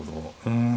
うん。